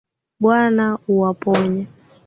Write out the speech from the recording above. Bwana uwaponye.